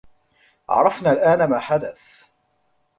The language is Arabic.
عرفنا الآن ما حدث.